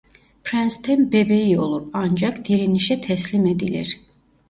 Prens'ten bebeği olur ancak direnişe teslim edilir.